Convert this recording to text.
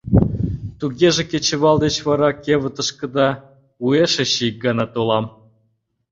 — Тугеже кечывал деч вара кевытышкыда уэш эше ик гана толам.